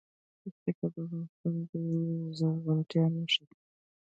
پکتیکا د افغانستان د زرغونتیا نښه ده.